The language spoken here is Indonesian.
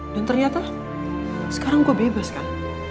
dan ternyata sekarang gue bebas kan